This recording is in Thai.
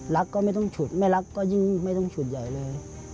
ก็ไม่ต้องฉุดไม่รักก็ยิ่งไม่ต้องฉุดใหญ่เลย